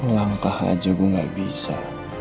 langkah aja gue gak bisa